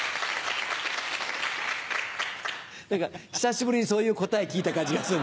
何か久しぶりにそういう答え聞いた感じがする。